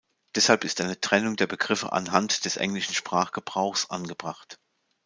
Deshalb ist eine Trennung der Begriffe anhand des englischen Sprachgebrauchs angebracht.